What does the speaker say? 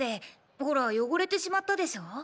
ほら汚れてしまったでしょう。